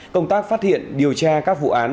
công tác phát hiện điều tra các vụ án